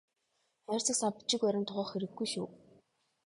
Хайрцаг сав бичиг баримт ухах хэрэггүй шүү.